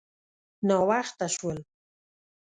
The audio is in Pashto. _ناوخته شول.